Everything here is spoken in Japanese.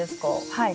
はい。